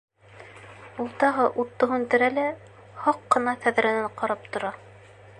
Ул тағы утты һүндерә лә, һаҡ ҡына тәҙрәнән ҡарап тора.